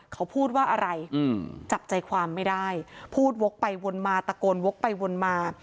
เขาพูดว่าอะไรจับใจความไม่ได้พูดวกไปวนมาตะโกนวกไปวนมา